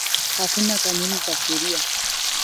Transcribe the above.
Hakuna kanuni za sheria